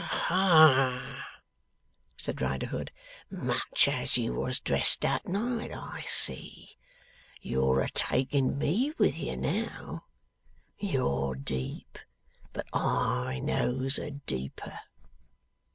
'Aha!' said Riderhood. 'Much as you was dressed that night. I see. You're a taking me with you, now. You're deep. But I knows a deeper.